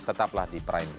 tetaplah di prime news